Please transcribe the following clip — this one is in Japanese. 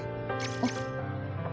あっ。